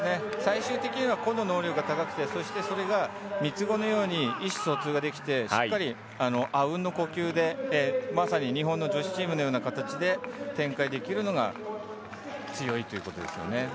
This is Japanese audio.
最終的には個の能力が高くてそして、それが三つ子のように意思疎通ができて、しっかりあうんの呼吸で、まさに日本の女子チームのような形で展開できるのが強いということですよね。